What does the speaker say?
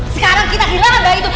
sekarang kita hilangkan dari itu